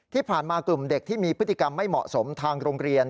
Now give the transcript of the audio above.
ที่ผ่านมากลุ่มเด็กที่มีพฤติกรรมไม่เหมาะสมทางโรงเรียน